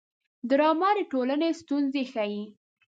ډرامه د ټولنې ستونزې ښيي